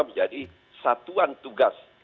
menjadi satuan tugas